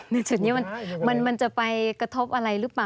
จุดนี้มันจะไปกระทบอะไรหรือเปล่า